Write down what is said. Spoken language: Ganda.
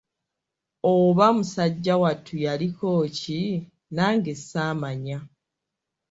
Oba musajja wattu yaliko ki, nage ssamanya.